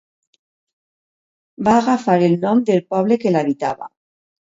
Va agafar el nom del poble que l'habitava.